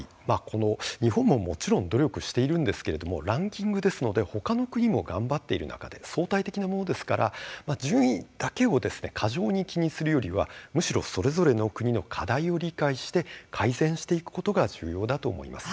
日本ももちろん努力しているんですけれどもランキングですのでほかの国も頑張っている中で相対的なものですから順位だけを過剰に気にするよりはむしろそれぞれの国の課題を理解して改善していくことが重要だと思います。